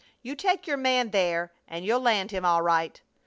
You take your man there and you'll land him all right!